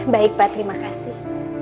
baik pak terima kasih